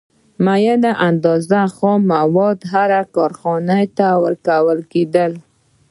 معینه اندازه خام مواد هرې کارخانې ته ورکول کېدل